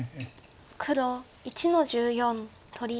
黒１の十四取り。